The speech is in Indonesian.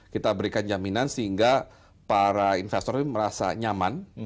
kita berikan jaminan sehingga para investor ini merasa nyaman